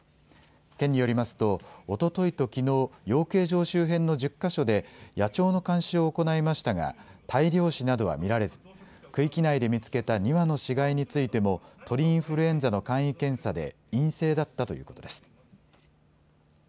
県によりますと、おとといときのう、養鶏場周辺の１０か所で、野鳥の監視を行いましたが大量死などは見られず区域内で見つけた２羽の死骸についても鳥インフルエンザの簡易検査で陰性だったということです。